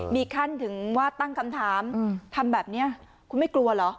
มีขั้นถึงว่าตั้งคำถามทำแบบนี้คุณไม่กลัวเหรอ